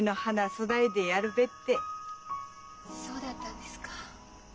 そうだったんですか。